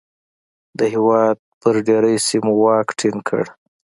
د هېواد پر ډېری سیمو واک ټینګ کړ.